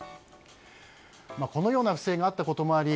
このような不正があったこともあり